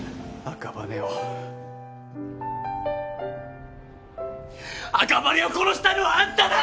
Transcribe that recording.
赤羽を殺したのはあんただ！